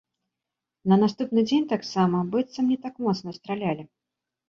На наступны дзень таксама быццам не так моцна стралялі.